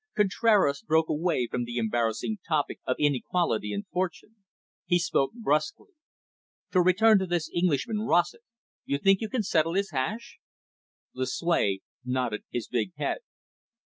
Contraras broke away from the embarrassing topic of inequality in fortune. He spoke brusquely. "To return to this Englishman, Rossett. You think you can settle his hash?" Lucue nodded his big head.